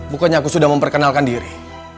bukannya aku sudah memperkenalkan diri